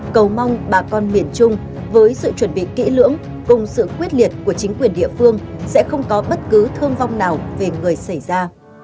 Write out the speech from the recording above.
cầu mong bà con miền trung với sự chuẩn bị kỹ lưỡng cùng sự quyết liệt của chính quyền địa phương sẽ không có bất cứ thương vong nào về người xảy ra